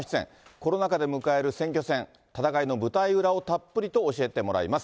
コロナ下で迎える選挙戦、戦いの舞台裏をたっぷりと教えてもらいます。